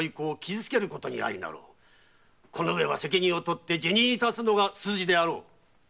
このうえは責任をとって辞任致すのが筋であろう！